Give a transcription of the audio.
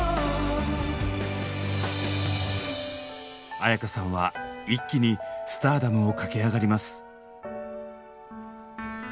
絢香さんは一気にスターダムを駆け上がります。